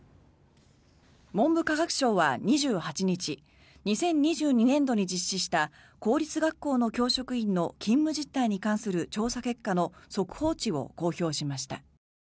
文部科学省は２８日２０２２年度に実施した公立学校の教職員の勤務実態に関する調査結果の速報値を公表しました。